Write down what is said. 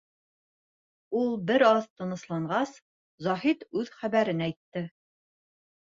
Ул бер аҙ тынысланғас, Заһит үҙ хәбәрен әйтте: